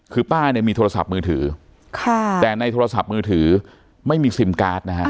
คือป้าเนี่ยมีโทรศัพท์มือถือแต่ในโทรศัพท์มือถือไม่มีซิมการ์ดนะฮะ